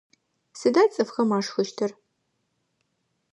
Сыда цӏыфхэм ашхыщтыр?